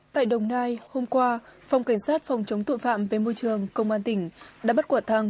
tại đồng nai hôm qua phòng cảnh sát phòng chống tội phạm về môi trường công an tỉnh đã bắt quả thăng